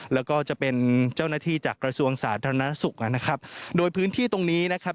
แล้วก็จะเป็นเจ้าหน้าที่จากกระทรวงสาธารณสุขนะครับโดยพื้นที่ตรงนี้นะครับ